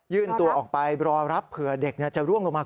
ตัวออกไปรอรับเผื่อเด็กจะร่วงลงมา